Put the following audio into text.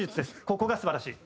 ここが素晴らしい。